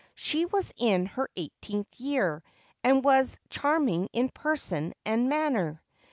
She was in her eighteenth year, and was charming in person and manner.